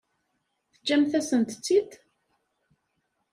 Teǧǧamt-asent-tt-id?